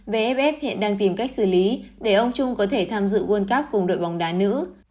vff hiện đang tìm cách xử lý để ông trung có thể tham dự world cup cùng đội bóng đá nữ